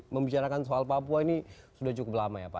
membicarakan soal papua ini sudah cukup lama ya pak